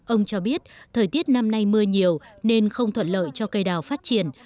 ông cho biết thời tiết năm nay mưa nhiều nên không thuận lợi cho cây đào phát triển